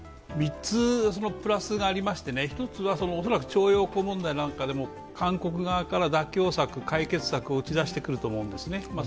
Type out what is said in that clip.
３つプラスがありまして、１つは恐らく徴用工問題などでも韓国側から妥協策を打ち出してくると思うんですね。